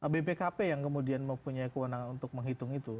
bpkp yang kemudian mempunyai kewenangan untuk menghitung itu